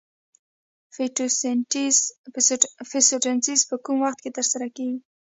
فتوسنتیز په کوم وخت کې ترسره کیږي